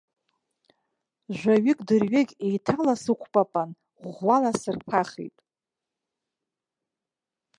Жәаҩык дырҩегь еиҭаласықәпапан, ӷәӷәала сырԥахит.